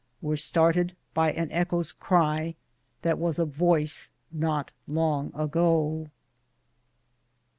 Were started by an echo s cry That was a voice not long ago.